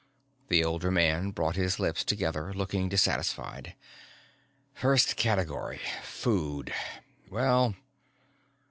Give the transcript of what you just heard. The older man brought his lips together, looking dissatisfied. "First category. Food. Well...."